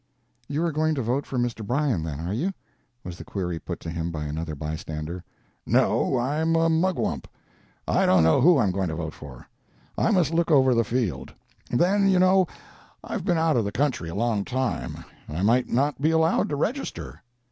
"You are going to vote for Mr. Bryan, then, are you?" was the query put to him by another bystander. "No, I am a Mugwump. I don't know who I am going to vote for. I must look over the field. Then, you know, I've been out of the country a long time, and I might not be allowed to register."